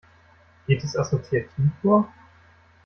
Geht es assoziativ vor?